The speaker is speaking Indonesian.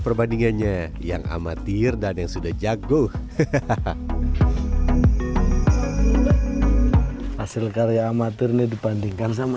perbandingannya yang amatir dan yang sudah jago hahaha hasil karya amatir ini dibandingkan sama